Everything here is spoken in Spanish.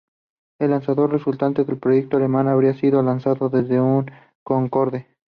El lanzador resultante del proyecto alemán habría sido lanzado desde un Concorde.